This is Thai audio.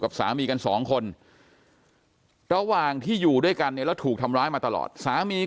กับสามีกัน๒คนระหว่างที่อยู่กันแล้วถูกทำร้ายมาตลอดสามี